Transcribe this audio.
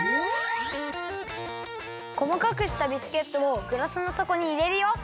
こまかくしたビスケットをグラスのそこにいれるよ。